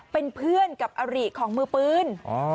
เป็นเพื่อนกับอริของมือปืน